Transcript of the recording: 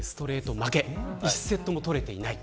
負け１セットも取れていない。